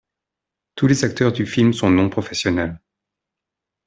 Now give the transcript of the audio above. Tous les acteurs du film sont non-professionnels.